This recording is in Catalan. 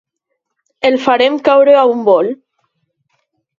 El farem caure a un bol.